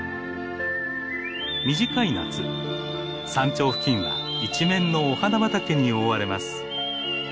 短い夏山頂付近は一面のお花畑に覆われます。